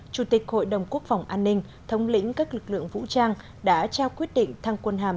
chủ tịch hội đồng quốc phòng an ninh thống lĩnh các lực lượng vũ trang đã trao quyết định thăng quân hàm